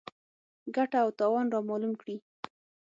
ګټه او تاوان رامعلوم کړي.